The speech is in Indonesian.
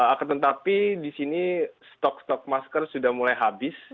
akan tetapi di sini stok stok masker sudah mulai habis